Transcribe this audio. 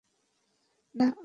না, আমি না।